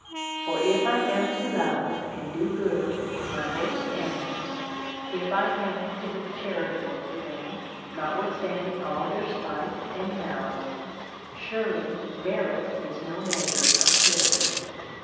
For if I am to love and to do good to my worst enemies ; if I am to be charitable to them, notwith standing all their spite and malice, surely merit is no measure of charity.